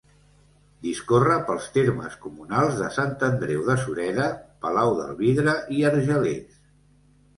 Discorre pels termes comunals de Sant Andreu de Sureda, Palau del Vidre i Argelers.